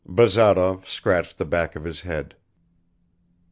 Bazarov scratched the back of his head.